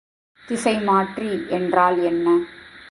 திசைமாற்றி என்றால் என்ன?